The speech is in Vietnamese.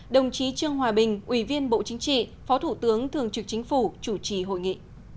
đồng chí trương hòa bình ủy viên bộ chính trị phó thủ tướng thường trực chính phủ chủ trì hội nghị